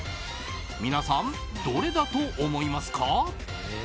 皆さん、どれだと思いますか？